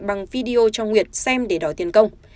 bằng video cho nguyệt xem để đòi tiền công